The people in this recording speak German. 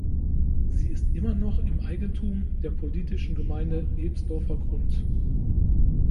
Sie ist immer noch im Eigentum der politischen Gemeinde Ebsdorfergrund.